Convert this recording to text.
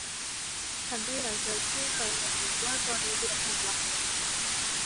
ฉันไม่อยากจะเชื่อเลยว่าตอนนี้เดือนธันวาคมแล้ว